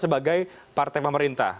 sebagai partai pemerintah